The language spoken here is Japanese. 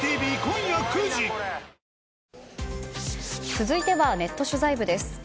続いては、ネット取材部です。